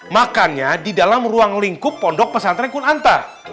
makannya di dalam ruang lingkup pondok pesantren kunanta